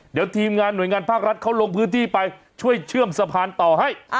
เดี๋ยวทีมงานหน่วยงานภาครัฐเขาลงพื้นที่ไปช่วยเชื่อมสะพานต่อให้